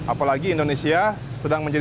apalagi indonesia sedang menjaga